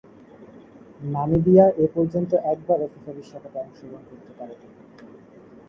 Namibia এপর্যন্ত একবারও FIFA বিশ্বকাপে অংশগ্রহণ করতে পারেনি।